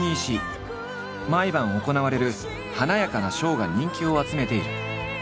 毎晩行われる華やかなショーが人気を集めている。